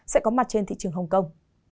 sẽ có mặt trên thị trường hồng kông